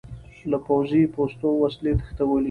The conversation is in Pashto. له پوځي پوستو وسلې تښتولې.